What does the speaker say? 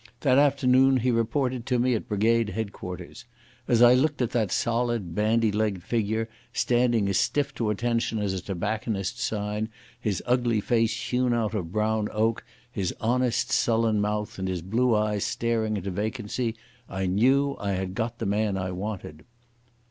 That afternoon he reported to me at brigade headquarters. As I looked at that solid bandy legged figure, standing as stiff to attention as a tobacconist's sign, his ugly face hewn out of brown oak, his honest, sullen mouth, and his blue eyes staring into vacancy, I knew I had got the man I wanted.